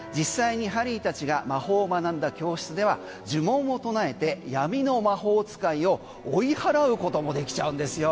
実際にハリーたちが魔法を学んだ教室では呪文を唱えて闇の魔法使いを追い払うこともできちゃうんですよ。